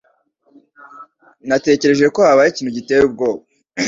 Natekereje ko habaye ikintu giteye ubwoba.